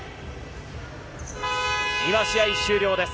今、試合終了です。